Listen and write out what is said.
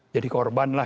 jadi korban lah